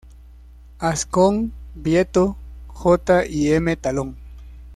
Azcón-Bieto, J. y M. Talón.